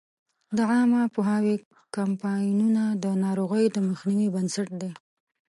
د عامه پوهاوي کمپاینونه د ناروغیو د مخنیوي بنسټ دی.